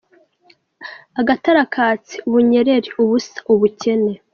Agatara katse ,Ubunyereri : ubusa, ubukene.